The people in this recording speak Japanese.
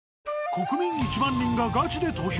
国民１万人がガチで投票！